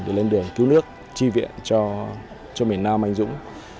để lên đường cứu nước chi viện cho miền nam anh dũng